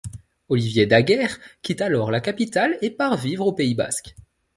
Olivier Daguerre quitte alors la capitale, et part vivre au Pays basque.